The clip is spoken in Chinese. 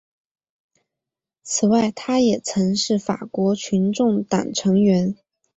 此外他也曾是法国群众党成员。